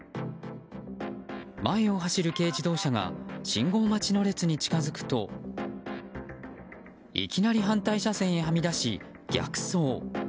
前を走る軽自動車が信号待ちの列に近づくといきなり反対車線へはみ出し逆走。